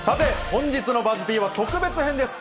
本日のＢＵＺＺ−Ｐは特別編です。